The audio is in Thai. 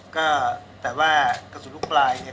ก็แต่ว่ากระสุนลูกปลายเนี่ย